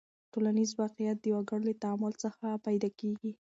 ټولنیز واقعیت د وګړو له تعامل څخه پیدا کېږي.